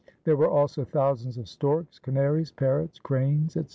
There were also thousands of storks, canaries, parrots, cranes, etc.